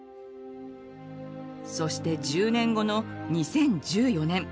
そして１０年後の２０１４年。